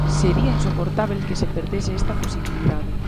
Sería insoportábel que se perdese esta posibilidade.